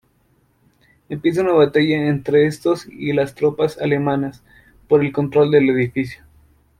Empieza una batalla entre estos y las tropas alemanas por el control del edificio.